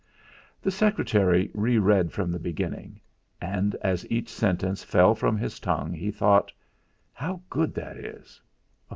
The secretary re read from the beginning; and as each sentence fell from his tongue, he thought: 'How good that is!'